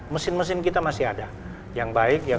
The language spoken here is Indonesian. mesin mesin kita masih ada yang baik